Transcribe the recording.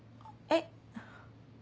えっ？